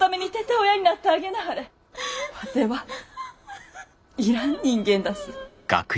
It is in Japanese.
わてはいらん人間だす。